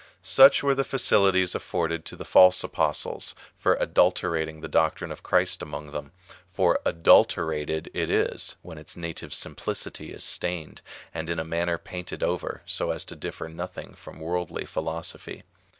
Such were the facilities afforded to the false apostles for adulterating the doctrine of Christ among them ; for adulterated it is, when its native simplicity is stained, and in a manner painted over, so as to differ nothing from worldly philosophy.